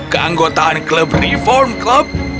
keanggotaan klub reform klub